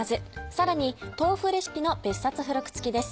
さらに豆腐レシピの別冊付録付きです。